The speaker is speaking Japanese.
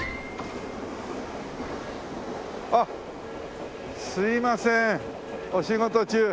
あっすいませんお仕事中。